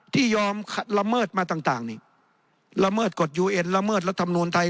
ที่ยอมละเมิดมาต่างนี่ละเมิดกฎยูเอ็นละเมิดรัฐมนูลไทย